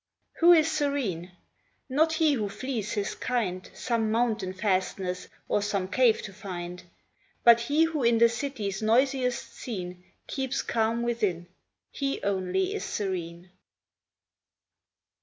Who is serene? Not he who flees his kind, Some mountain fastness, or some cave to find; But he who in the city's noisiest scene, Keeps calm within—he only is serene.